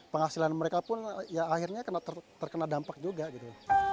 penghasilan mereka pun ya akhirnya terkena dampak juga gitu